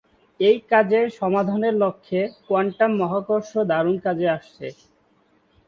এই কাজ সমাধানের লক্ষ্যে, 'কোয়ান্টাম মহাকর্ষ' দারুণ কাজে আসছে।